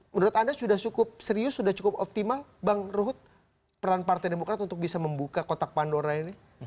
menurut anda sudah cukup serius sudah cukup optimal bang ruhut peran partai demokrat untuk bisa membuka kotak pandora ini